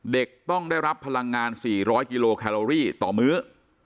เด็กต้องได้รับพลังงาน๔๐๐กิโลแคลอรี่ต่อมื้อ